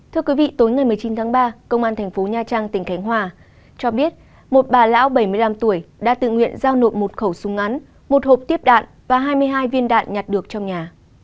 thưa quý vị tối ngày một mươi chín tháng ba công an thành phố nha trang tỉnh khánh hòa cho biết một bà lão bảy mươi năm tuổi đã tự nguyện giao nộp một khẩu súng ngắn một hộp tiếp đạn và hai mươi hai viên đạn nhặt được trong nhà